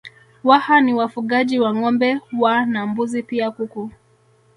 Waha ni wafugaji wa Ngombe wa na mbuzi pia kuku